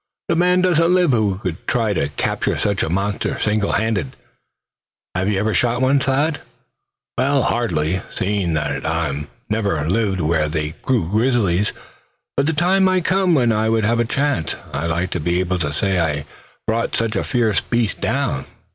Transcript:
The man doesn't live who would try to capture such a monster, single handed." "Have you ever shot one, Thad?" "Well, hardly, seeing that I've never lived where they grew grizzlies; but the time might come when I would have the chance. I'd like to be able to say I had brought such a fierce beast down.